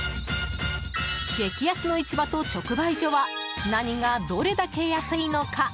激安の市場と直売所は何がどれだけ安いのか？